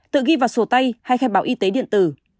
tự ghi vào sổ tay hay khai báo y tế điện tử